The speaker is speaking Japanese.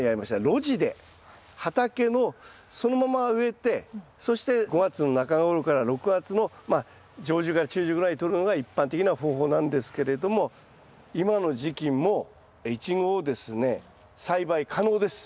露地で畑のそのまま植えてそして５月の中ごろから６月のまあ上旬から中旬ぐらいにとるのが一般的な方法なんですけれども今の時期もイチゴをですね栽培可能です。